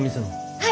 はい。